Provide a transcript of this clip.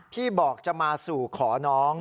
พี่บอกจะมาสู่ขอน้อง